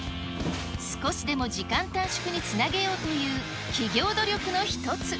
少しでも時間短縮につなげようという、企業努力の一つ。